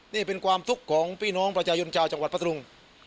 นี่เป็นความทุกข์ของพี่น้องประชาชนชาวจังหวัดพัทธรุง